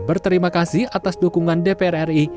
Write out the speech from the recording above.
berterima kasih atas dukungan dpr ri